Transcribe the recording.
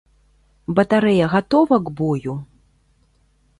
Батарэя гатова к бою?